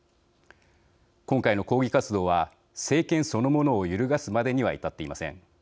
今回の抗議活動は政権そのものを揺るがすまでには至っていません。